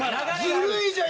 ずるいじゃん！